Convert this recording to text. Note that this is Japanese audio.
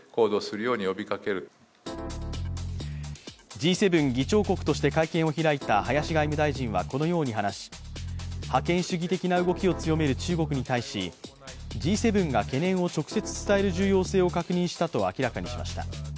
Ｇ７議長国として会見を開いた林外務大臣はこのように話し覇権主義的な動きを強める中国に対しＧ７が懸念を直接伝える重要性を確認したと明らかにしました。